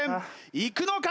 いくのか？